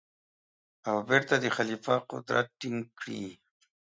او بېرته د خلیفه قدرت ټینګ کړي.